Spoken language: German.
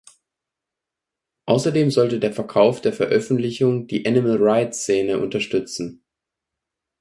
Außerdem sollte der Verkauf der Veröffentlichungen die "Animal Rights"-Szene unterstützen.